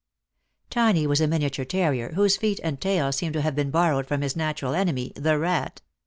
Tiny was a miniature terrier, whose feet and tail seemed to have been borrowed from his natural enemy the rat.